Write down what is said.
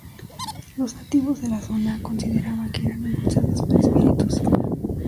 Los nativos de la zona consideraban que eran impulsadas por espíritus.